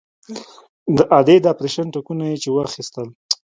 د ادې د اپرېشن ټکونه چې يې واخيستل.